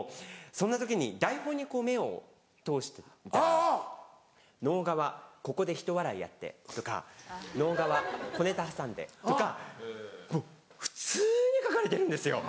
そんな時に台本にこう目を通したら「直川ここでひと笑いやって」とか「直川小ネタ挟んで」とか普通に書かれてるんですよ。